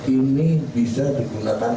ini bisa digunakan